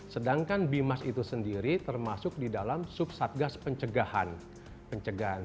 sedangkan bimas itu sendiri termasuk di dalam subsatgas pencegahan